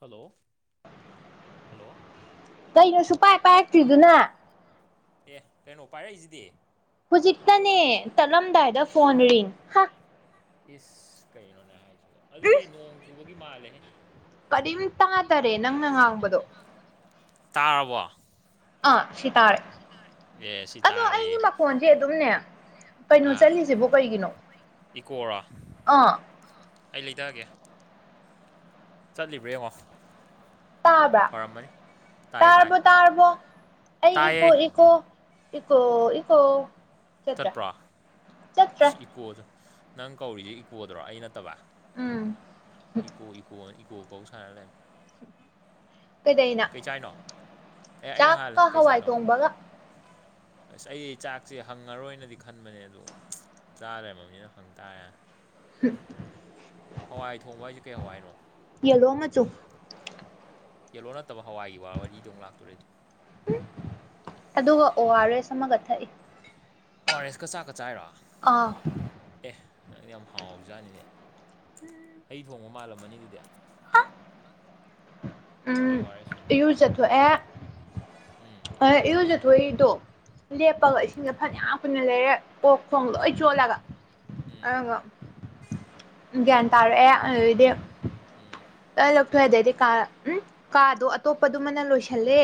hello [inaudible] hello ꯀꯩꯅꯣ ꯁꯨ ꯄꯥꯏ ꯄꯥꯏꯔꯛꯇ꯭ꯔꯤꯗꯨꯅ ꯑꯦ ꯀꯩꯅꯣ ꯄꯥꯏꯔꯛꯏꯖꯤꯗꯤ ꯍꯨꯖꯤꯛꯇꯅꯦ ꯇꯠꯂꯝꯗꯥꯏꯗ ꯐꯣꯟꯔꯤꯡ ꯍꯥ ꯏꯁ ꯀꯩꯅꯣꯅꯦ ꯍꯥꯏꯁꯤꯕ ꯑꯗꯨꯗꯤ ꯅꯣꯡ ꯆꯨꯕꯒꯤ ꯃꯥꯜꯂꯦꯍꯦ ꯀꯔꯤꯝ ꯇꯥꯗꯔꯦ ꯅꯪꯅ ꯉꯥꯡꯕꯗꯣ ꯇꯥꯔꯕꯣ ꯑꯥ ꯁꯤ ꯇꯥꯔꯦ ꯑꯦ ꯁꯤ ꯑꯗꯣ ꯇꯥꯔꯦ ꯑꯩꯒꯤ ꯃꯈꯣꯟꯁꯦ ꯑꯗꯨꯝꯅꯦ ꯀꯩꯅꯣ ꯑꯥ ꯆꯠꯂꯤꯁꯤꯕ ꯀꯩꯒꯤꯅꯣ ꯏꯀꯣꯔꯣ ꯑꯥ ꯑꯩ ꯂꯩꯗꯥꯒꯦ ꯆꯠꯂꯤꯕ꯭ꯔ [unintelligible] ꯇꯥꯕ꯭ꯔꯥ ꯇꯥꯏ ꯇꯥꯏ ꯇꯥꯔꯕꯣ ꯇꯥꯔꯕꯣ ꯑꯩ ꯏꯀꯣ ꯇꯥꯏꯌꯦ ꯏꯀꯣ ꯏꯀꯣ ꯏꯀꯣ ꯆꯠꯇ꯭ꯔꯥ ꯆꯠꯄ꯭ꯔꯣ ꯆꯠꯇ꯭ꯔꯥ ꯏꯀꯣꯗ ꯅꯪ ꯀꯧꯔꯤꯁꯦ ꯏꯀꯣꯗꯔꯣ ꯑꯩ ꯅꯠꯇꯕ ꯎꯝ ꯏꯀꯣ ꯏꯀꯣ ꯏꯀꯣ ꯀꯧ ꯁꯅꯂꯦ ꯀꯩꯗꯩꯅ ꯀꯩꯆꯥꯏꯅꯣ ꯑꯦ ꯑꯩꯅ ꯍꯥꯂꯦ ꯆꯥꯛꯀ ꯍꯋꯥꯏ ꯀꯩꯆꯥꯏꯅꯣ ꯊꯣꯡꯕꯒ ꯑꯁ ꯑꯩ ꯆꯥꯛꯁꯦ ꯐꯪꯉꯔꯣꯏꯅꯗꯤ ꯈꯟꯕꯅꯦ ꯑꯗꯨ ꯆꯥꯂꯩꯃꯅꯤꯅ ꯍꯪ ꯇꯥꯔꯦ [inaudible] ꯍꯋꯥꯏ ꯊꯣꯡꯕ ꯍꯥꯏꯁꯦ ꯀꯩ ꯍꯋꯥꯏꯅꯣ ꯌꯦꯂꯣ ꯑꯃꯆꯨ ꯌꯦꯜꯂꯣ ꯅꯠꯇꯕ ꯍꯋꯥꯏꯒꯤ ꯋꯥ ꯋꯥꯔꯤꯗꯣ ꯑꯃꯨꯛ ꯂꯥꯛꯇꯣꯔꯦꯗꯣ ꯑꯗꯨꯒ ꯑꯣ ꯑꯥꯔ ꯑꯦꯁ ꯑꯃꯒ ꯊꯛꯏ ꯑꯣ ꯑꯣꯔ ꯁꯀ ꯆꯥꯛꯀ ꯆꯥꯏꯔꯣ ꯑꯥ ꯑꯦ ꯅꯪ ꯌꯥꯝ ꯍꯥꯎꯕꯖꯥꯠꯅꯤꯅꯦ ꯍꯩ ꯊꯣꯡꯕ ꯃꯥꯜꯂꯝꯃꯅꯤ ꯑꯗꯨꯗꯤ ꯀꯩ ꯎꯝ ꯑꯣ ꯑꯥꯔ ꯑꯦꯁꯅꯣ ꯏꯌꯨꯖ ꯆꯠꯊꯣꯛꯑꯦ ꯎꯝ ꯑ ꯏꯔꯨꯖꯊꯣꯏꯗꯣ ꯂꯦꯞꯄꯒ ꯎꯝ ꯏꯁꯤꯡꯁꯦ ꯐꯅꯌꯥꯝ ꯀꯨꯟꯅ ꯂꯩꯔꯦ ꯑꯣꯛ ꯈꯣꯡ ꯂꯣꯏ ꯎꯝ ꯆꯣꯜꯂꯒ ꯎꯝ ꯑꯗꯨꯒ ꯒ꯭ꯌꯥꯟ ꯇꯥꯔꯛꯑꯦ ꯑꯗꯨꯗꯩꯗꯤ ꯎꯝ ꯑ ꯂꯧꯊꯣꯏꯑꯥꯗꯗꯤ ꯀꯥ ꯎꯝ ꯀꯥꯗꯣ ꯑꯇꯣꯞꯄꯗꯨꯃꯅ ꯂꯣꯏꯁꯜꯂꯦ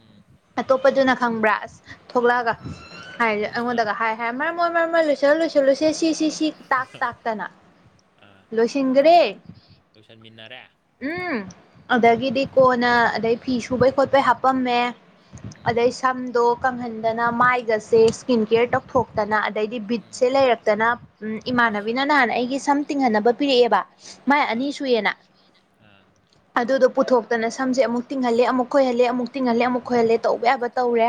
ꯎꯝ ꯑꯇꯣꯞꯄꯗꯨꯅ ꯈꯪꯕ꯭ꯔꯥ ꯑꯁ ꯑꯥ ꯊꯣꯛꯂꯛꯑꯒ ꯍꯥꯏꯁꯦ ꯑꯍꯥ ꯑꯩꯉꯣꯟꯗꯒ ꯍꯥꯏ ꯍꯦ ꯃꯔ ꯃꯣꯏ ꯃꯔ ꯃꯣꯏ ꯂꯣꯏꯁꯤꯜꯂ ꯂꯣꯏꯁꯤꯜꯂꯨꯁꯦ ꯁꯤꯁꯤ ꯁꯤ ꯇꯥꯛ ꯇꯥꯛꯇꯅ ꯑꯥ ꯂꯣꯏ ꯁꯤꯒꯔꯦ ꯂꯣꯏꯁꯟꯃꯤꯟꯅꯔꯦ ꯎꯝ ꯎꯝ ꯑꯗꯒꯤꯗꯤ ꯀꯣꯟꯅ ꯑꯗꯩ ꯐꯤ ꯁꯨꯕꯩ ꯈꯣꯠꯄꯩ ꯍꯥꯄꯝꯃꯦ ꯎꯝ ꯑꯗꯩ ꯁꯝꯗꯣ ꯀꯪꯍꯟꯗꯅ ꯃꯥꯏꯒꯁꯦ ꯏꯁꯀꯤꯟ ꯀꯦꯌꯔ ꯇꯧꯊꯣꯛꯇꯅ ꯑꯗꯩꯗꯤ ꯕꯤꯠꯁꯦ ꯎꯝ ꯂꯩꯔꯛꯇꯅ ꯁꯤꯌꯥ ꯏꯃꯥꯟꯅꯕꯤꯅ ꯅꯍꯥꯟ ꯑꯩꯒꯤ ꯁꯝ ꯇꯤꯡꯍꯟꯅꯕ ꯄꯤꯔꯛꯑꯦꯕ ꯃꯥꯏ ꯑꯥ ꯑꯅꯤ ꯁꯨꯏꯌꯦꯅ [unintelligible] ꯑꯥ ꯑꯗꯨꯗꯣ ꯄꯨꯊꯣꯛꯇꯅ ꯁꯝꯁꯦ ꯑꯃꯨꯛ ꯇꯤꯡꯍꯜꯂꯦ ꯑꯃꯨꯛ ꯈꯣꯏꯍꯜꯂꯦ ꯑꯃꯨꯛ ꯇꯤꯡꯍꯜꯂꯦ ꯑꯃꯨꯛ ꯈꯣꯏꯍꯜꯂꯦ ꯇꯧꯕ ꯌꯥꯕ ꯇꯧꯔꯦ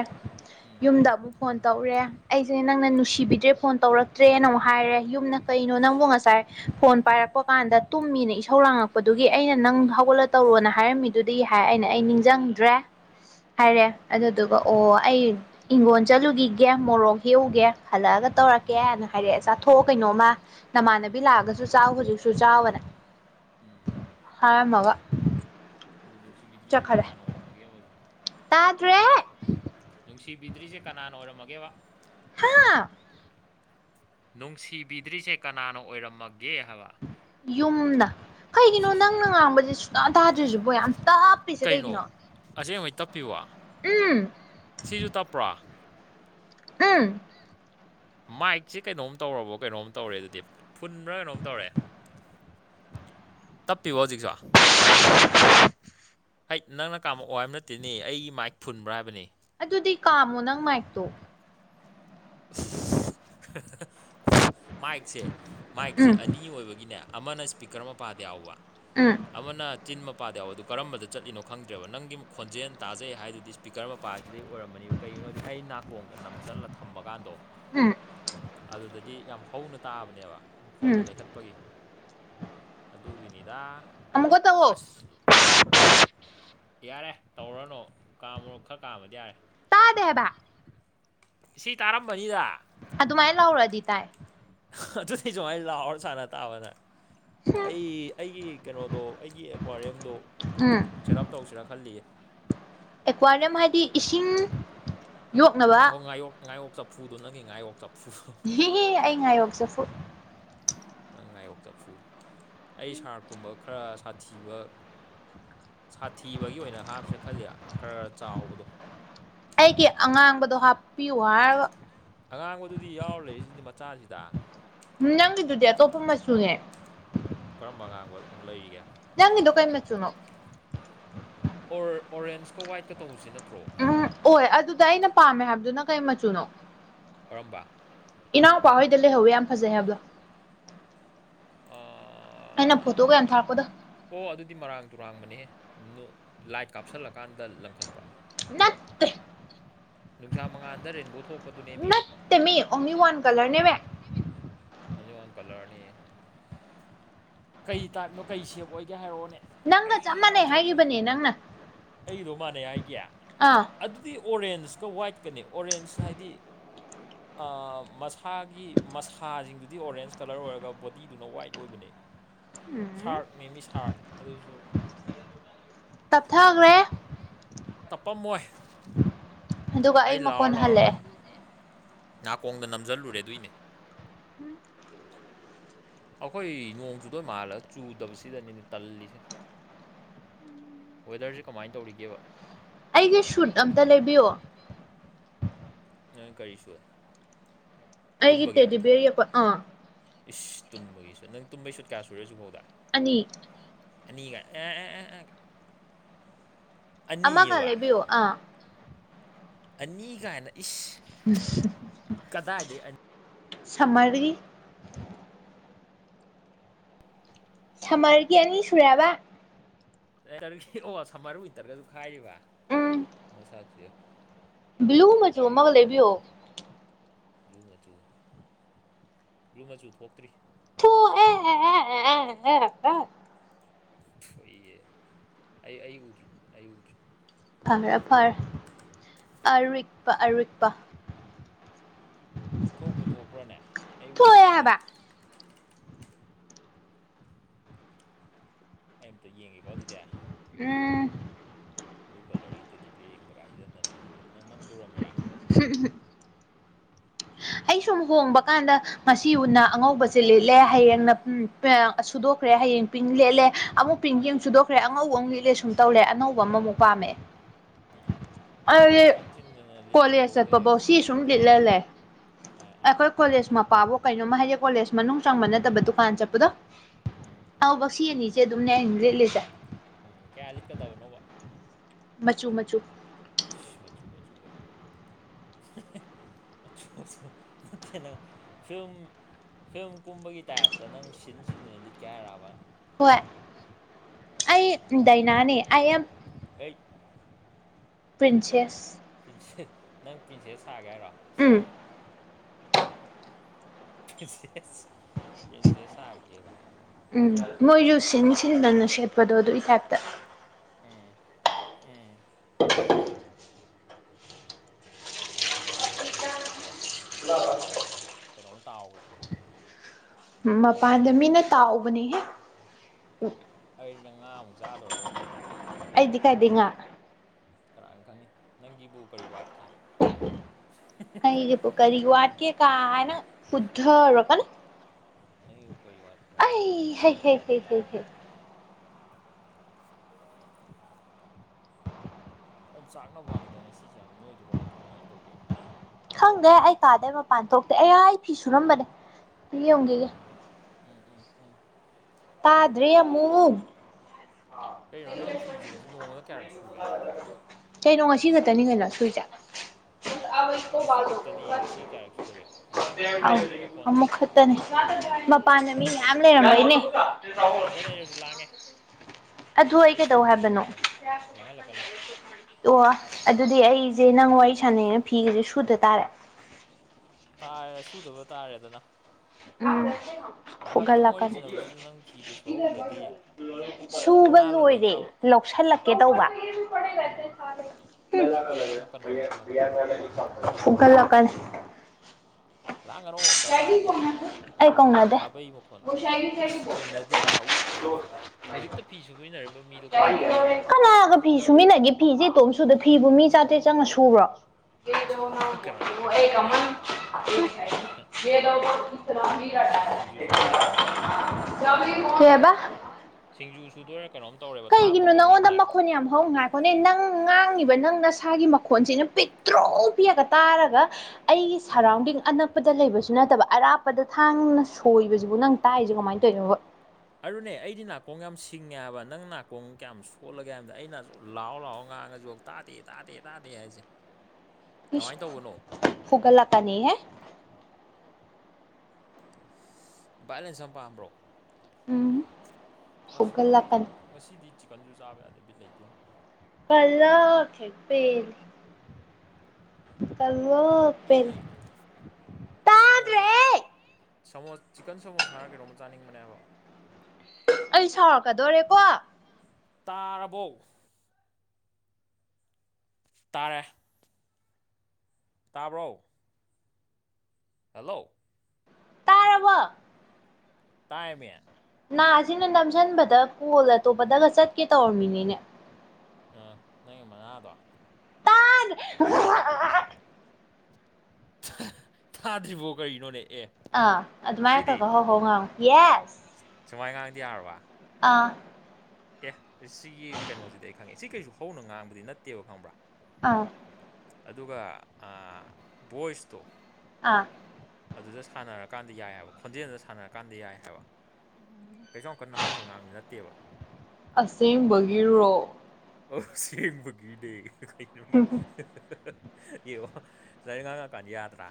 ꯎꯝ ꯌꯨꯝꯗ ꯑꯃꯨꯛ ꯐꯣꯟ ꯇꯧꯔꯦ ꯑꯩꯁꯦ ꯅꯪꯅ ꯎꯝ ꯅꯨꯡꯁꯤꯕꯤꯗ꯭ꯔꯦ ꯐꯣꯟ ꯇꯧꯔꯛꯇ꯭ꯔꯦꯅ ꯑꯃꯨꯛ ꯍꯥꯏꯔꯦ ꯌꯨꯝꯗ ꯀꯩꯅꯣ ꯅꯪꯕꯨ ꯁꯤꯌꯥ ꯉꯁꯥꯏ ꯐꯣꯟ ꯄꯥꯏꯔꯛꯄ ꯀꯥꯟꯗ ꯇꯨꯝꯃꯤꯅ ꯏꯁꯧ ꯂꯥꯡꯉꯛꯄꯗꯨꯒꯤ ꯑꯩꯅ ꯅꯪ ꯀꯣꯜꯂ ꯑꯥ ꯇꯧꯔꯛꯑꯣꯅ ꯍꯥꯏꯔꯝꯃꯤꯗꯨꯗꯤ ꯍꯥꯏ ꯑꯩꯅ ꯑꯩ ꯅꯤꯡꯁꯤꯡꯗ꯭ꯔꯦ ꯍꯥꯏꯔꯦ ꯑꯥ ꯑꯗꯨꯗꯨꯒ ꯑꯣ ꯑꯩ ꯍꯤꯡꯒꯣꯟꯜ ꯆꯠꯂꯨꯈꯤꯒꯦ ꯃꯣꯔꯣꯛ ꯍꯦꯛꯎꯒꯦ ꯍꯜꯂꯛꯑꯒ ꯎꯝ ꯇꯧꯔꯛꯀꯦꯅ ꯍꯥꯏꯔꯛꯑꯦ ꯆꯥꯊꯣꯛꯑ ꯀꯩꯅꯣꯝꯃ ꯅꯃꯥꯟꯅꯕꯤ ꯎꯝ ꯂꯥꯛꯑꯒꯁꯨ ꯆꯥꯎ ꯍꯧꯖꯤꯛꯁꯨ ꯆꯥꯎꯕꯅ ꯎꯝ ꯍꯥꯏꯔꯃꯒꯥ ꯑꯗꯨ ꯅꯨꯡꯁꯤꯕꯤꯗ꯭ꯔꯤꯁꯦ ꯀꯅꯥꯅ ꯑꯣꯏꯔꯝꯃꯒꯦꯕꯖꯤꯛ ꯇꯥꯗ꯭ꯔꯦ ꯅꯨꯡꯁꯤꯕꯤꯗ꯭ꯔꯤꯁꯦ ꯀꯅꯥꯅ ꯑꯣꯏꯔꯝꯃꯒꯦꯕ ꯍꯥꯥ ꯅꯨꯡꯁꯤꯕꯤꯗ꯭ꯔꯤꯁꯦ ꯀꯅꯥꯅ ꯑꯣꯏꯔꯝꯃꯒꯦ ꯍꯥꯏꯕ ꯌꯨꯝꯅ ꯀꯩꯒꯤꯅꯣ ꯁꯤꯁ ꯅꯪꯅ ꯌꯨꯝꯗꯒ ꯉꯥꯡꯕꯁꯦ ꯁꯨꯇꯥ ꯇꯥꯗ꯭ꯔꯤꯁꯤꯕꯣ ꯌꯥꯝ ꯇꯥꯞꯄꯤꯁꯦ ꯀꯩꯅꯣ ꯀꯩꯒꯤꯅꯣ ꯑꯁꯦꯡꯕꯩ ꯇꯞꯄꯤꯕꯣ ꯎꯝ ꯁꯤꯁꯨ ꯇꯞꯄ꯭ꯔꯣ ꯎꯝ ꯃꯥꯏꯛꯁꯦ ꯀꯩꯅꯣꯝ ꯇꯧꯔꯕꯣ ꯀꯩꯅꯣꯝ ꯇꯧꯔꯦ ꯑꯗꯨꯗꯤ ꯐꯨꯟꯕ꯭ꯔꯥ ꯀꯩꯅꯣꯝ ꯇꯧꯔꯦ ꯇꯞꯄꯤꯕꯣ ꯍꯧꯖꯤꯛꯁꯨ ꯍ ꯅꯪꯅ ꯀꯥꯝꯃꯛꯛꯑꯣ ꯍꯥꯏꯕ ꯅꯠꯇꯦꯅꯦ ꯑꯩꯒꯤ ꯃꯥꯏꯛ ꯐꯨꯟꯕ꯭ꯔꯥ ꯍꯥꯏꯕꯅꯤ ꯑꯗꯨꯗꯤ ꯀꯥꯃꯣ ꯅꯪ ꯃꯥꯏꯛꯇꯣ ꯃꯥꯏꯛꯁꯦ ꯃꯥꯏꯛꯁꯦ ꯎꯝ ꯑꯅꯤ ꯑꯣꯏꯕꯒꯤꯅꯦ ꯑꯃꯅ ꯏꯁꯄꯤꯀꯔ ꯑꯃ ꯄꯥꯗꯦ ꯌꯥꯎꯕ ꯎꯝ ꯑꯃꯅ ꯆꯤꯟ ꯃꯄꯥꯗ ꯌꯥꯎꯕ ꯑꯗꯨ ꯀꯔꯝꯕꯗ ꯆꯠꯂꯤꯅꯣ ꯈꯪꯗ꯭ꯔꯦꯕ ꯅꯪꯒꯤ ꯈꯣꯟꯖꯦꯜ ꯇꯥꯖꯩ ꯍꯥꯏꯗꯨꯗꯤ ꯏꯁꯄꯤꯀꯔ ꯃꯄꯥꯁꯤꯗꯩ ꯑꯣꯏꯔꯃꯅꯦꯕ ꯀꯩꯒꯤꯅꯣꯗꯤ ꯑꯩ ꯅꯥꯄꯣꯡꯗ ꯅꯝ ꯆꯠꯂ ꯊ ꯊꯝꯃꯀꯥꯟꯗꯣ ꯎꯝ ꯑꯗꯨꯗꯗꯤ ꯌꯥꯝ ꯍꯧꯅ ꯇꯥꯕꯅꯦꯕ ꯃꯈꯣꯟꯗ ꯎꯝ ꯂꯩꯈꯠꯄꯒꯤ ꯑꯗꯨꯒꯤꯅꯤꯗ ꯑꯃꯨꯛꯀ ꯇꯧꯑꯣ ꯑꯁꯤ ꯌꯥꯔꯦ ꯇꯧꯔꯅꯨ ꯀꯥꯃꯣ ꯈꯔ ꯀꯥꯝꯃꯗꯤ ꯌꯥꯔꯦ ꯕ ꯏ ꯇꯥꯔꯝꯕꯅꯤꯗ ꯑꯗꯨꯃꯥꯏꯅ ꯂꯧꯥꯎꯔꯛꯗꯤ ꯇꯥꯏ ꯑꯗꯨꯗꯤ ꯁꯨꯃꯥꯏꯅ ꯂꯥꯛꯑꯣ ꯁꯥꯟꯅ ꯇꯥꯕꯅ ꯑꯩ ꯑꯩꯒꯤ ꯀꯩꯅꯣꯗꯣ ꯑꯩꯒꯤ ꯑꯦꯀ꯭ꯋꯥꯔꯤꯌꯝꯗꯣ ꯎꯝ ꯇꯞ ꯇꯧꯁꯤꯔꯥ ꯈꯜꯂꯤꯌꯦ ꯑꯦꯀ꯭ꯋꯥꯔꯤꯌꯝ ꯍꯥꯏꯗꯤ ꯏꯁꯤꯡ ꯌꯣꯛꯅꯕ ꯑꯣ ꯉꯥꯌꯣꯛ ꯉꯥꯌꯣꯛ ꯆꯐꯨꯗꯣ ꯅꯪꯒꯤ ꯉꯥꯌꯣꯛ ꯆꯐꯨꯗꯣ ꯍ ꯍ ꯑꯩ ꯉꯥꯏ ꯌꯣꯛꯁ ꯐ ꯅꯪ ꯉꯥꯏꯌꯣꯛ ꯆꯐꯨ ꯑꯩ ꯁꯥꯔꯠꯀꯨꯝꯕ ꯈꯔ ꯁꯥꯊꯤꯕ ꯁꯥꯊꯤꯕꯒꯤ ꯑꯣꯏꯅ ꯍꯥꯞꯁꯦ ꯈꯜꯂꯤ ꯈꯔ ꯈꯔ ꯆꯥꯎꯕꯗꯣ ꯑꯩꯒꯤ ꯑꯉꯥꯡꯕꯗꯣ ꯍꯥꯞꯄꯤꯌꯨ ꯍꯥꯏꯒ ꯑꯉꯥꯡꯕꯗꯨꯗꯤ ꯌꯥꯎꯔ ꯂꯩꯁꯤꯗꯤ ꯃꯆꯥꯁꯤꯗ ꯅꯪꯒꯤꯗꯨꯗꯤ ꯑꯇꯣꯞꯄ ꯃꯆꯨꯍꯦ ꯀꯔꯝꯕ ꯉꯥꯡꯕꯗ ꯑꯃꯨꯛ ꯂꯩꯔꯤꯒꯦ ꯅꯪ ꯏꯗꯣ ꯀꯥꯏꯝ ꯃ ꯆꯨꯅꯣ ꯑꯣꯔꯦꯟꯁꯀ ꯋꯥꯏꯠꯀ ꯇꯧꯁꯤ ꯅꯠꯇ꯭ꯔꯣ ꯍꯣꯏ ꯑꯗꯨꯗ ꯑꯩꯅ ꯄꯥꯝꯃꯦ ꯍꯥꯏꯕꯗꯨꯅ ꯀꯩ ꯃꯆꯨꯅꯣ ꯑꯣꯏꯔꯝꯕ ꯏꯅꯥꯎꯄꯥꯍꯣꯏꯗ ꯂꯩꯍꯧꯋꯦ ꯌꯥꯝ ꯐꯖꯩ ꯍꯥꯏꯕꯗꯣ ꯑ ꯑꯩꯅ ꯐꯣꯇꯣꯒ ꯌꯥꯝ ꯊꯔꯛꯄꯗꯣ ꯑꯣ ꯑꯗꯨꯗꯤ ꯃꯔꯥꯡ ꯇꯨꯔꯥꯡꯕꯅꯦ ꯂꯥꯏꯠ ꯀꯥꯞꯁꯤꯜꯂꯀꯥꯟꯗ ꯂꯪꯈꯠꯄ ꯅꯠꯇ꯭ꯔꯦ ꯅꯨꯡꯁꯥ ꯃꯉꯥꯜꯗ ꯔꯦꯟꯕꯣ ꯊꯣꯛꯄꯗꯨ ꯅꯦꯝꯃꯤ ꯇꯃꯤ ꯑꯣꯡꯂꯤ ꯋꯥꯟ ꯀꯂꯔꯅꯦꯕ ꯇꯂꯤ ꯋꯥꯟ ꯀꯂꯔꯅꯦ ꯀꯩ ꯇꯥꯏꯞꯅꯣ ꯀꯩ ꯁꯦꯞ ꯑꯣꯏꯒꯦ ꯍꯥꯏꯔꯛꯑꯣꯅꯦ ꯅꯪꯒ ꯆꯞ ꯑꯩ ꯃꯥꯟꯅꯩ ꯀꯥꯎꯊꯣꯛꯈ꯭ꯔꯦ ꯍꯥꯏꯈꯤꯕꯅꯦ ꯅꯪꯅ ꯑꯩꯗꯣ ꯃꯥꯥꯟꯅꯦꯩ ꯍꯥꯏꯒꯦ ꯑꯥ ꯑꯗꯨꯗꯤ ꯑꯣꯔꯦꯟꯖꯀ ꯋꯥꯏꯠꯀꯅꯦ ꯑꯣꯔꯦꯟꯖ ꯍꯥꯏꯗꯤ ꯃꯁꯥꯒꯤ ꯃꯁꯥ ꯍꯥꯥꯁꯤꯡꯗꯨꯗꯤ ꯑꯣꯔꯦꯟꯁ ꯀꯂꯔ ꯑꯣꯏꯔꯒ ꯕꯣꯗꯤꯗꯨꯅ ꯋꯥꯏꯠ ꯑꯣꯏꯕꯅꯦ ꯁꯥꯔ ꯃꯦꯝꯃꯤ ꯁꯥꯔ ꯑꯗꯨꯁꯨ ꯇꯞꯊꯈ꯭ꯔꯦ ꯇꯞꯄꯝꯃꯣꯏ ꯑꯗꯨꯒ ꯑꯩ ꯃꯈꯣꯟ ꯍꯜꯂꯛꯑꯦ ꯉꯥꯀꯣꯡꯗ ꯅꯝꯁꯤꯜꯂꯨꯔꯦ ꯑꯗꯨꯣꯏꯏꯅꯦ ꯎꯝ ꯑꯩꯈꯣꯏ ꯅꯣꯡ ꯆꯨꯗꯣꯏ ꯃꯥꯜꯂ ꯆꯨꯗꯕꯁꯤꯗꯅꯤꯅꯦ ꯇꯜꯂꯤꯁꯦ ꯋꯦꯗꯔꯁꯦ ꯀꯃꯥꯏꯅ ꯇꯧꯔꯤꯒꯦꯕ ꯑꯩꯒꯤ ꯁꯨꯠ ꯑꯝꯇ ꯂꯩꯕꯤꯌꯣ ꯅꯪ ꯀꯔꯤꯁꯨ ꯑꯩꯒꯤ ꯇꯨꯝꯕꯒꯦ ꯇꯦꯗꯤꯕꯤꯌꯔ ꯌꯦꯛꯄ ꯑꯥ ꯏꯁ ꯇꯨꯝꯕꯒꯤꯁꯨ ꯅꯪ ꯇꯨꯝꯕꯩꯁꯨꯨ ꯀꯌꯥ ꯁꯨꯔꯁꯨ ꯐꯥꯎꯗ ꯑꯅꯤ ꯅꯤꯒ ꯑꯦ ꯑꯦ ꯑꯦ ꯑꯦ ꯑ ꯀ ꯑꯅꯤꯑꯕ ꯂꯩꯕꯤꯌꯣ ꯑꯥ ꯑꯅꯤ ꯀꯥꯏꯅ ꯏꯁ ꯎꯝ ꯀꯗꯥ ꯍꯥꯏꯗ ꯁꯝꯃꯔꯒꯤ ꯁꯝꯃꯔꯒꯤ ꯑꯅꯤ ꯁꯔꯕ ꯑꯣ ꯁꯝꯃꯔ ꯃꯤꯇꯔꯒꯁꯨ ꯈꯥꯏꯔꯤꯕ ꯎꯝ ꯃꯁꯥꯛꯁꯦ ꯕ꯭ꯂꯨ ꯃꯆꯨ ꯑꯃꯒ ꯊꯝꯕꯥꯔꯤꯅꯤ ꯂꯩꯕꯤꯌꯣ ꯕ꯭ꯂꯨ ꯃꯆꯨ ꯕ꯭ꯂꯨ ꯃꯆꯨ ꯊꯣꯛꯇ꯭ꯔꯤ ꯑ ꯍꯦ ꯔꯇ ꯑꯩꯈꯣꯏ ꯑꯩ ꯑꯩ ꯎꯗ꯭ꯔꯤ ꯑꯩ ꯎꯗ꯭ꯔꯤ ꯐꯔ ꯐꯥꯔ ꯑꯔ ꯏꯛꯄ ꯑꯔ ꯏꯛꯄ ꯊꯣꯛꯄꯨ ꯊꯣꯛꯄ꯭ꯔꯅꯦ ꯑꯩꯕꯨ ꯊꯣꯛꯑꯦ ꯎꯗ꯭ꯔꯤꯅꯦ ꯍꯥꯏꯕ ꯑꯩ ꯑꯃꯝꯇ ꯌꯦꯡꯒꯦꯀꯣ ꯑꯗꯨꯗꯤ ꯎꯝ ꯕ꯭ꯂꯨ ꯀꯂꯔꯒꯤꯗꯗꯤ ꯄꯕꯤꯔꯛꯄꯒ ꯍꯥꯏꯖꯟꯗꯅ ꯁꯤꯗ ꯅꯪ ꯃꯪꯗꯔꯝꯃꯤꯔꯥ [unintelligible] ꯑꯩ ꯍꯥ ꯁꯨꯝ ꯍꯣꯡꯕ ꯀꯥꯟꯗ ꯉꯁꯤ ꯎꯅ ꯑꯉꯧꯕꯁꯤꯦ ꯂꯤꯠꯂꯦ ꯍꯌꯦꯡꯅ ꯁꯨꯗꯣꯛꯈ꯭ꯔꯦ ꯍꯌꯦꯡ ꯄꯤꯡ ꯂꯤꯦꯠꯂꯦ ꯑꯃꯨꯛ ꯄꯤꯡ ꯌꯦꯡ ꯁꯨꯗꯣꯛꯈ꯭ꯔꯦ ꯑꯉꯧꯕ ꯑꯃꯨ ꯂꯤꯛꯂꯦ ꯁꯨꯝ ꯇꯧꯔꯦꯅꯧꯕ ꯑꯃꯃꯨꯛ ꯄꯥꯝꯃꯦ ꯎꯝ ꯑꯗꯨꯗꯤ ꯎꯝ ꯁꯤꯤꯟ ꯁꯤꯤꯟꯗꯅ ꯀꯣꯂꯦꯖ ꯂꯤꯠꯄꯗꯨꯐꯥꯎꯗ ꯍꯦꯛ ꯆꯠꯄꯐꯧ ꯁꯤ ꯁꯨꯝ ꯄꯦꯜꯂꯛꯇ꯭ꯔꯕ ꯂꯤꯠꯂ ꯂꯩ ꯑꯩꯈꯣꯏ ꯀꯣꯂꯦꯖ ꯃꯄꯥꯕꯨ ꯀꯩꯅꯣꯝꯃ ꯍꯥꯏꯗꯤ ꯀꯣꯂꯦꯖ ꯃꯅꯨꯡ ꯆꯪꯕ ꯅꯠꯇꯕ ꯗꯨꯀꯥꯟ ꯆꯠꯄꯗꯣ ꯎꯝ ꯑꯥꯎ ꯕꯛꯁꯤ ꯑꯅꯤꯁꯦ ꯑꯗꯨꯝꯅꯦ ꯑ ꯂꯤꯠꯂꯤꯁꯦ ꯎꯝ ꯀꯌꯥ ꯂꯤꯠꯀꯗꯕꯅꯣꯕ ꯃꯆꯨ ꯃꯆꯨ ꯃꯆꯨ ꯃꯆꯨꯒ ꯑꯔꯁ ꯑꯗꯤꯂ ꯐꯤ ꯐꯤꯂꯝ ꯀꯨꯝꯕꯒꯤ ꯇꯥꯏꯞꯇ ꯅꯪ ꯁꯤꯟꯁꯤꯡꯗꯨꯅ ꯂꯤꯠꯀꯦ ꯍꯥꯏꯔꯛꯑꯕ ꯍꯣꯏ ꯑꯩ ꯗꯅꯥꯅꯦ ꯑ ꯌꯥꯝ ꯑꯩ ꯄ꯭ꯔꯤꯟꯁꯦꯁ ꯄꯦꯠ ꯅꯪ ꯄꯤꯟꯆꯦꯠ ꯁꯥꯒꯦ ꯍꯥꯏꯔꯣ ꯎꯝ ꯄ꯭ꯔꯤꯟꯁꯦꯁ ꯄ꯭ꯔꯤꯟꯁꯦꯁ ꯁꯥꯒꯦꯕ ꯎꯝ ꯃꯣꯏꯁꯨꯨ ꯁꯤꯅꯤ ꯁꯤꯖꯤꯟꯅꯅ ꯁꯦꯠꯄꯗꯣ ꯑꯗꯨꯒꯤ ꯇꯥꯏꯞꯇ ꯎꯝ ꯎꯝ [unintelligible] ꯀꯩꯅꯣꯝꯃ ꯇꯥꯎꯍꯈ꯭ꯔꯦ ꯃꯄꯥꯟꯗ ꯃꯤꯅ ꯇꯥꯛꯕꯅꯦꯍꯦ ꯑꯩꯩꯅ ꯉꯥꯃꯨꯛ ꯆꯥꯗꯣꯔꯕ ꯁꯤꯅꯤ ꯑꯩꯗꯤ ꯀꯥꯏꯗꯤꯉ ꯈꯔꯅ ꯈꯪꯉ ꯅꯪꯒꯤꯕꯨ ꯀꯔꯤ ꯋꯥꯠꯀꯦ ꯑꯩꯒꯤ ꯄꯨ ꯀꯔꯤꯒꯤ ꯋꯥꯠꯀꯦ ꯀꯥꯏꯅ ꯐꯗꯔꯣꯀ ꯅꯪꯕꯨ ꯀꯔꯤ ꯋꯥꯠꯇ ꯉꯥ ꯑꯩ ꯑꯃꯨꯛ ꯍꯩ ꯇꯥꯎꯅꯤ ꯍꯩ ꯑꯃꯨꯛ ꯍꯩ ꯑꯃꯨꯛ ꯍꯩ ꯇꯥꯎꯅꯤ ꯍꯩ ꯑ ꯑꯣꯝ ꯆꯥꯛꯅꯕ ꯋꯥꯅꯤꯗ ꯉꯁꯤꯁꯦ ꯌꯥꯝ ꯅꯣꯏꯗ꯭ꯔꯣꯝꯗꯣ ꯀꯃꯥꯏꯅ ꯇꯧꯒꯦꯕ ꯈꯪꯗꯦ ꯑꯩ ꯀꯥꯗꯦ ꯃꯄꯥꯟ ꯊꯣꯛꯇꯦ ꯑꯩꯌꯥ ꯐꯤ ꯁꯨꯔꯝꯕꯅꯦ ꯐ ꯌꯦꯡꯈꯤꯒꯦ ꯎꯝ ꯎꯝ ꯎꯝ ꯎꯝ ꯇꯥꯗ꯭ꯔꯦꯃꯨ ꯀꯩꯅꯣ ꯅꯪ ꯐꯤ ꯆꯨꯕꯗꯤ ꯅꯣꯡꯃꯗ ꯀꯌꯥꯔꯛ ꯁꯨꯒꯦ ꯆꯩꯩꯅꯣ ꯉꯁꯤ ꯈꯛꯇꯅꯤ ꯉꯩꯅ ꯁꯨꯏꯁꯦ ꯉꯁꯤ ꯑꯕꯃꯨ ꯈꯛꯇꯅꯤ ꯉꯁꯤ ꯀꯌꯥꯔꯛ ꯁꯨꯔꯒꯦ ꯅꯦ ꯂꯥꯡꯉꯛꯑꯦ ꯅꯪꯒꯤ ꯃꯈꯣꯟꯗꯣ ꯃꯄꯥꯟꯅ ꯅꯪꯒꯤ ꯃꯤ ꯃꯌꯥꯝ ꯃꯈꯣꯟꯗꯣ ꯂꯥꯡꯉꯛꯈ꯭ꯔꯦ ꯂꯩꯔꯝꯕꯣꯏꯅꯦ ꯃꯄꯥꯟꯗ ꯂꯩꯔꯁꯨ ꯂꯥꯡꯉꯦ ꯑꯗꯨ ꯑꯩ ꯀꯩꯗꯧ ꯁꯣꯔꯣꯝꯗ ꯍꯥꯏꯕꯅꯣ ꯆꯪꯁꯤꯜꯂꯛꯑꯦ ꯂꯥꯡꯍꯜꯂꯛꯀꯅꯣ ꯑꯣ ꯑꯗꯨꯗꯤ ꯑꯩꯁꯦ ꯅꯪ ꯋꯥꯔꯤ ꯁꯥꯟꯅꯅ ꯐꯤꯒꯁꯦ ꯁꯨꯗ ꯇꯥꯔꯦ ꯇꯥꯔ ꯁꯨꯗꯕ ꯇꯥꯔꯦꯗꯅ ꯎꯝ ꯉꯥꯏꯍꯥꯛꯇꯪ ꯋꯥꯔꯤ ꯨꯒꯜꯂꯥꯛꯀꯅꯤ ꯁꯥꯟꯅꯕꯁꯤꯗ ꯅꯪ ꯐꯤꯗꯣ ꯁꯨꯍꯧꯗ꯭ꯔꯗꯤ ꯁꯨꯕ ꯂꯣꯏꯔꯦ ꯅꯥꯜꯂꯔꯣꯏꯗ꯭ꯔꯕ ꯂꯧꯁꯤꯜꯂꯛꯀꯦ ꯇꯧꯕ ꯎꯝ ꯑꯗꯨꯗꯤ ꯂꯥꯡꯉꯛꯀꯅꯣꯌꯣ ꯀꯅꯥ ꯀꯅꯥꯅꯣ ꯐꯨꯒꯜ ꯂꯀꯥꯟ ꯂꯥꯡ ꯑꯅꯧꯕ ꯑꯝꯇ ꯍꯥꯏꯀꯣꯕ ꯑꯩ ꯇꯣ ꯇꯣ ꯇꯣ ꯀꯧꯅꯗꯦ ꯈꯥꯕꯩ ꯃꯈꯣꯟ ꯏꯁ ꯀꯧꯅꯗꯤ ꯀꯥꯏ ꯍꯧꯖꯤꯛꯇ ꯍꯧꯖꯤꯛꯇ ꯐꯤ ꯁꯨꯕꯅ ꯀꯅꯥꯒ ꯐꯤ ꯁꯨꯃꯤꯟꯅꯒꯦ ꯐꯤꯁꯦ ꯏꯇꯣꯝ ꯁꯨꯗ ꯐꯤꯕꯨ ꯃꯤ ꯆꯥꯇ꯭ꯔꯦ ꯆꯪꯉ ꯁꯨꯕ꯭ꯔꯣ ꯀꯅꯥꯅ ꯗꯣ ꯈꯪꯅꯤ ꯑꯩ ꯅꯪ ꯀꯃꯟ ꯐꯤꯅꯤꯗꯣ ꯑꯁ ꯁꯤꯡꯖꯨ ꯁꯨꯗꯣꯔꯕ ꯀꯩꯅꯣꯝ ꯇꯧꯔꯦ ꯆꯞ ꯆꯞ ꯆꯞ ꯀꯛꯈ꯭ꯔꯦ ꯕ [unintelligible] [inaudible] ꯁꯤꯡꯖꯨ ꯁꯨꯗꯣꯏꯔ ꯀꯩꯅꯣꯝ ꯇꯧꯔꯦ ꯀꯩꯒꯤꯅꯣ ꯅꯉꯣꯟꯗ ꯃꯈꯣꯟ ꯌꯥꯝ ꯍꯧ ꯉꯥꯏꯦ ꯍꯅꯦ ꯅꯪ ꯉꯥꯡꯉꯤꯕ ꯅꯪ ꯅꯁꯥꯒꯤ ꯃꯈꯣꯟꯁꯤꯅ ꯄꯤꯛꯇ꯭ꯔꯣ ꯄꯤꯛꯑꯒ ꯇꯥꯔꯒ ꯑꯩꯒꯤ ꯎꯝ ꯁꯔꯥꯎꯟꯗꯤꯡ ꯑꯅꯛ ꯑꯥꯞꯄꯗ ꯂꯩꯕꯁꯨ ꯅꯠꯇꯕ ꯑꯔꯥꯞꯄꯗ ꯊꯥꯡꯅ ꯁꯣꯏꯕꯁꯤꯕꯨ ꯅꯪ ꯇꯥꯏꯁꯦ ꯀꯃꯥꯏꯅ ꯇꯧꯔꯤꯅꯣꯕ ꯑꯗꯨꯅꯦ ꯑꯩꯗꯤ ꯅꯥꯀꯣꯡ ꯌꯥꯝ ꯁꯤꯡꯉꯦ ꯍꯥꯏꯕ ꯅꯪ ꯅꯥꯀꯣꯡ ꯀꯌꯥꯝ ꯁꯣꯠꯂꯒꯦ ꯍꯥꯏꯕꯗ ꯑꯩꯅꯁꯨ ꯂꯥꯛꯑꯣ ꯂꯥꯛꯑꯣ ꯉꯥꯡꯉꯁꯨ ꯇꯥꯗꯤꯦ ꯇꯥꯗꯦ ꯇꯥꯗꯦ ꯍꯥꯏꯖꯦ ꯁ ꯐꯨꯒꯂꯀꯅꯤ ꯍꯦ ꯕꯥꯏꯂꯦꯟꯁ ꯌꯥꯝ ꯄꯥꯝꯕ꯭ꯔꯣ ꯎꯝ ꯑꯁ ꯉꯁꯤ ꯐꯨꯒꯠꯂꯛꯀꯅꯤ ꯉꯁꯤꯗꯤ ꯆꯤꯛꯀꯟꯁꯨ ꯆꯥꯕ ꯌꯥꯗꯦ ꯕꯤꯠ ꯂꯩꯇꯦꯉꯣ ꯄꯂꯦ ꯄ ꯄꯜꯂ ꯑꯩꯗꯤ ꯁꯃꯣꯁꯥ ꯇꯥꯗ꯭ꯔꯦ ꯁꯃꯣꯁ ꯆꯤꯛꯀꯟ ꯁꯃꯣꯁ ꯍꯥꯏꯔ ꯀꯩꯅꯣꯝꯃ ꯆꯥꯅꯤꯡꯕꯅꯦꯕ ꯑꯩ ꯁꯥꯎꯔꯛꯀꯗꯣꯔꯦꯀꯣ ꯇꯥꯔꯕꯣ ꯇꯥꯔꯦ ꯇꯥꯕ꯭ꯔꯣ ꯍꯜꯂꯣ ꯇꯥꯔꯕ ꯇꯥꯏꯃꯤ ꯅꯥ ꯁꯤꯅ ꯅꯝꯁꯤꯟꯕꯗ ꯀꯣꯜ ꯑꯇꯣꯞꯄꯗꯒ ꯆꯠꯀꯦ ꯇꯧꯔꯃꯤꯅꯤꯅꯦ ꯑ ꯅꯪꯒꯤ ꯃꯉꯥꯗꯣ ꯇꯥꯟ ꯊꯥꯗ꯭ꯔꯤꯕꯣ ꯀꯔꯤꯅꯣꯅꯦ ꯑꯦ ꯑꯥ ꯑꯗꯨꯃꯥꯏꯅ ꯀꯀꯣ ꯍ ꯍꯣ ꯉꯥꯡ ꯌꯦꯁ ꯁꯨꯃꯥꯏꯒꯥꯡꯗꯤ ꯌꯥꯔꯕ ꯑꯥ ꯑꯦ ꯁꯤꯒꯤ ꯀꯩꯅꯣꯁꯤꯗ ꯑꯩ ꯈꯪꯉꯦ ꯁꯤ ꯀꯩꯁꯨ ꯍꯧꯅ ꯉꯥꯡꯕꯗꯤ ꯅꯠꯇꯦꯕ ꯈꯪꯕ꯭ꯔꯥ ꯑꯥ ꯑꯗꯨꯒ ꯚꯣꯏꯁꯇꯣ ꯑꯥ ꯑꯗꯨꯗ ꯁꯥꯟꯅꯔꯀꯥꯟꯗ ꯌꯥꯏ ꯍꯥꯏꯕ ꯈꯣꯟꯖꯦꯜꯗ ꯁꯥꯟꯅꯔꯀꯥꯟꯗꯤ ꯌꯥꯏ ꯍꯥꯏꯕ ꯀꯩꯁꯨ ꯌꯥꯝ ꯀꯟꯅ ꯍꯧꯅ ꯉꯥꯡꯕ ꯅꯠꯇꯦꯕ ꯑꯁꯦꯡꯕꯒꯤꯔꯣ ꯑꯥꯎ ꯁꯦꯡꯕꯒꯅꯦ ꯀꯩꯅꯣꯅꯦ ꯌꯦꯡꯉꯣ ꯆꯅꯤ ꯉ ꯉꯥꯛꯀꯥꯟꯗ ꯌꯥꯗ꯭ꯔꯥ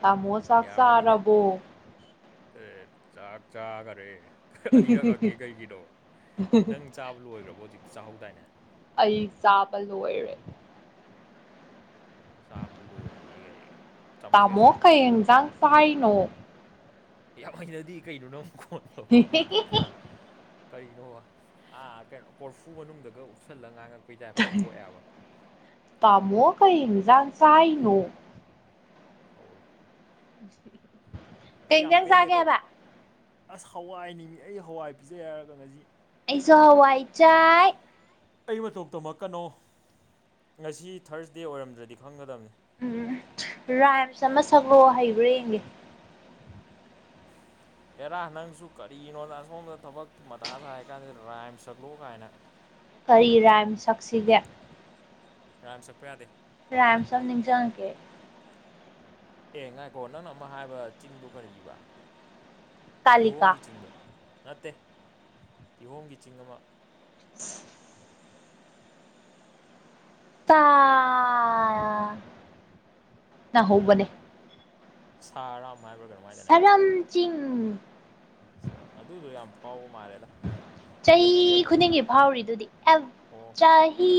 ꯇꯃꯣ ꯌꯥꯔꯝꯃꯅꯤꯅꯦ ꯆꯥꯛꯁꯔꯔꯕꯣ ꯑꯦ ꯆꯥꯛ ꯆꯥꯈꯔꯦ ꯑꯅꯤꯔꯛꯑꯒ ꯀꯩꯒꯤꯗꯣ ꯅꯪ ꯆꯥꯕ ꯂꯣꯏꯈ꯭ꯔꯕꯣ ꯍꯧꯖꯤꯛꯇ ꯆꯥꯍꯧꯗꯥꯏꯅꯦ ꯑꯩ ꯆꯥꯕ ꯂꯣꯏꯔꯦ ꯁꯥꯕ ꯂꯒ ꯇꯥꯃꯣ ꯀꯩ ꯌꯦꯟꯖꯥꯡ ꯆꯥꯏꯅꯣ ꯌꯥꯝ ꯍꯩꯅꯗꯤ ꯀꯩꯅꯣ ꯅ ꯑꯃꯨꯛ ꯀꯣꯟꯗꯣ ꯀꯔꯤꯅꯣ ꯑꯥ ꯀꯩꯅꯣ ꯀꯣꯔꯐꯨ ꯃꯅꯨꯡꯗꯒ ꯎꯞꯁꯜꯂꯒ ꯉꯥꯡꯉꯛ ꯈꯪꯕ꯭ꯔꯥ ꯇꯃꯣ ꯀꯩ ꯏꯖꯥꯟꯁꯥꯏꯅꯣ ꯍꯧꯋꯦ [unintelligible] ꯑꯩ ꯌꯥꯝ ꯆꯥꯒꯦ ꯄꯦꯟꯗꯦꯀꯣ ꯍꯥꯏꯕ ꯑꯁ ꯍꯋꯥꯏꯅꯤꯃꯤ ꯑꯩ ꯍꯋꯥꯏ ꯄꯤꯖꯩ ꯍꯥꯏꯔꯒ ꯉꯁꯤ ꯑꯩꯁꯨ ꯍꯋꯥꯏ ꯆꯥꯏ ꯑꯩ ꯃꯇꯧ ꯇꯝꯃꯛꯀꯅꯣ ꯉꯁꯤ ꯊꯥꯔꯁ ꯗꯦ ꯑꯣꯏꯔꯝꯗ꯭ꯔꯗꯤ ꯈꯪꯒꯗꯕꯅꯤ ꯎꯝ ꯔꯥꯏꯝꯁ ꯑꯃ ꯁꯛꯂꯣ ꯍꯩꯕ꯭ꯔꯥ ꯌꯦꯡꯒꯦ ꯑꯦꯔꯥ ꯅꯪꯁꯨ ꯀꯔꯤꯅꯣꯅ ꯑꯁꯣꯝꯗ ꯊꯕꯛꯀꯤ ꯃꯇꯥꯗ ꯍꯥꯏ ꯀꯥꯟꯁꯤꯗ ꯔꯥꯏꯝ ꯁꯛꯂꯣ ꯀꯥꯏꯅ ꯀꯔꯤ ꯔꯥꯏꯝ ꯁꯛꯁꯤꯒꯦ ꯀꯥꯏꯝ ꯁꯛꯄ ꯌꯥꯗꯦ ꯔꯝ ꯁꯝꯅꯤꯖꯉꯒꯦ ꯑꯦ ꯉꯥꯏꯈꯣ ꯅꯪꯅ ꯑꯃ ꯍꯥꯏꯕ ꯆꯤꯡꯗꯣ ꯀꯔꯤꯕ ꯀꯥꯂꯤꯀꯥ ꯀꯤꯍꯣꯝꯒꯤ ꯆꯤꯡꯗꯣ ꯅꯠꯇꯦ ꯀꯤꯍꯣꯝꯒꯤ ꯆꯤꯡ ꯑꯃ [inaudible] ꯇ ꯅ ꯍꯧꯕꯅꯦ ꯁꯥ ꯑꯔꯥꯝ ꯍꯥꯏꯕ꯭ꯔꯥꯒ ꯅꯨꯡꯉꯥꯏꯗꯅꯦ ꯁꯔꯝ ꯆꯤꯡ ꯁꯥ ꯑꯗꯨꯗꯣ ꯌꯥꯝ ꯐꯥꯎꯕ ꯃꯥꯜꯂꯦꯗ ꯆꯍꯤ ꯍꯟꯗꯛꯇꯤ ꯑꯗꯨ ꯈꯨꯗꯤꯡꯒꯤ ꯐꯥꯎꯔꯤꯗꯨꯗꯤ ꯑꯣ ꯆꯍꯤ